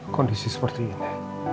kondisi seperti ini